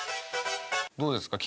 どうですか？